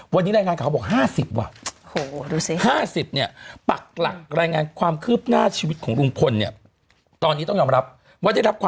วันนี้รายงานข่าวบอก๕๐ว่ะ